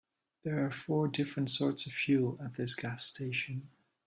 There are four different sorts of fuel at this gas station.